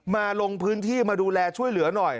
ลงพื้นที่มาดูแลช่วยเหลือหน่อย